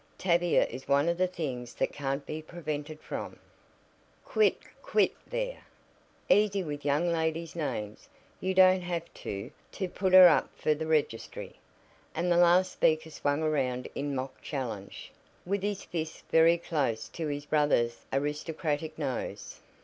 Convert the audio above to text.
Tavia is one of the things that can't be prevented from " "Quit! quit there! Easy with young ladies' names! You don't have to to put her up for the registry," and the last speaker swung around in mock challenge, with his fist very close to his brother's aristocratic nose.